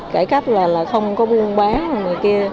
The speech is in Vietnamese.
cái cách là không có buôn bán